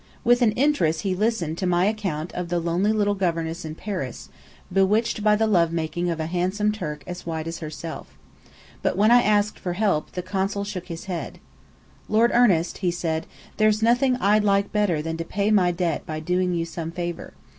With interest he listened to my account of the lonely little governess in Paris, bewitched by the love making of a handsome Turk as white as herself. But when I asked for help, the Consul shook his head. "Lord Ernest," he said, "there's nothing I'd like better than to pay my debt by doing you some favour.